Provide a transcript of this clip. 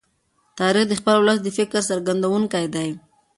تاریخ د خپل ولس د فکر څرګندونکی دی.